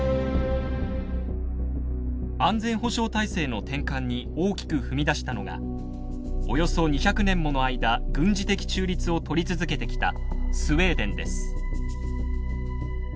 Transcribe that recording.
安全保障体制の転換に大きく踏み出したのがおよそ２００年もの間軍事的中立を取り続けてきたスウェーデンです。